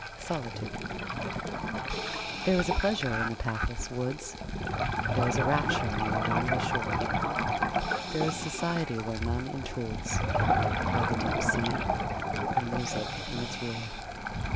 SOLITUDE There is a pleasure in the pathless woods, There is a rapture on the lonely shore, There is society where none intrudes By the deep sea, and music in its roar.